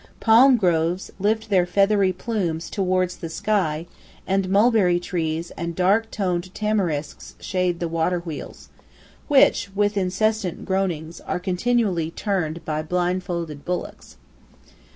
Palm groves lift their feathery plumes towards the sky, and mulberry trees and dark toned tamarisks shade the water wheels, which, with incessant groanings, are continually turned by blindfolded bullocks.